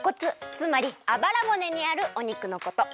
つまりあばらぼねにあるお肉のこと。